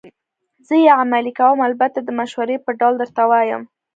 زه یې عملي کوم، البته د مشورې په ډول درته وایم.